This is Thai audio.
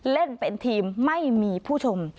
เล่นเป็นทีมไม่มีผู้ชม